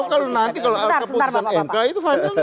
kalau nanti kalau ada keputusan mk itu fine